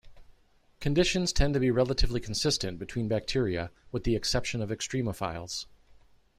Conditions tend to be relatively consistent between bacteria with the exception of extremophiles.